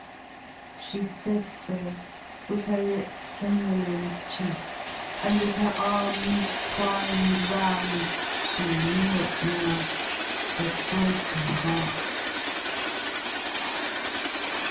She said so, with her lips on Lilian's cheek. And with her arms twined round—she knew it now—a broken heart.